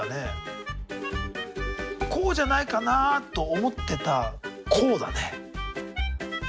こうじゃないかなあと思ってた「こう」だね。